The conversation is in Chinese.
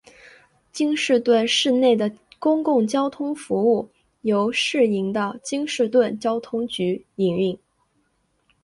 京士顿市内的公共交通服务由市营的京士顿交通局营运。